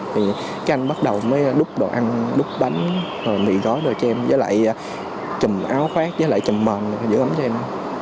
thì cái anh bắt đầu mới đúc đồ ăn đúc bánh mì gói đồ cho em với lại chùm áo khoác với lại chùm bòm giữ ấm cho em